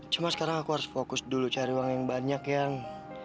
cuma sekarang aku harus fokus dulu cari uang yang banyak yang